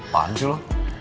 paham sih lo